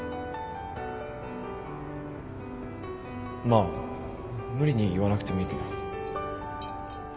まあ無理に言わなくてもいいけど